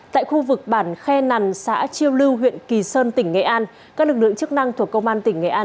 tại khu vực bản khe nằn xã chiêu lưu huyện kỳ sơn tỉnh nghệ an các lực lượng chức năng thuộc công an tỉnh nghệ an